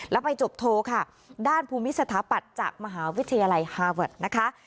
แล้วไปจบโทค่ะด้านภูมิสถาปัตย์จากมหาวิทยาลัยฮาเวิร์ดนะคะ